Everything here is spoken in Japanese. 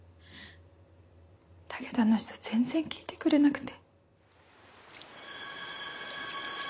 だけどあの人全然聞いてくれなくて。